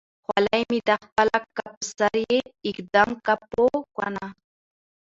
خولۍ مې ده خپله که په سر يې ايږدم که په کونه